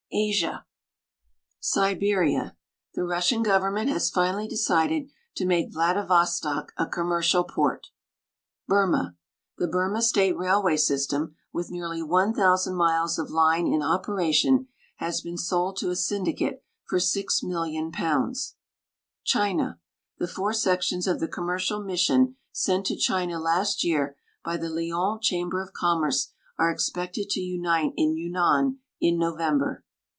ASIA SiBKRiA. The Ku ssian government has finalh^ decided to make Vladi vostok a commercial port. Burma. The Burma State Railway system, with nearly 1,000 miles of line in operation, has been sold to a syndicate for £6,000,000. China. The four sections of the commercial mission sent to China last year by the Lyons Chamber of Commerce are expected to unite in Yun nan in November.